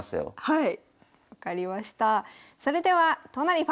はい。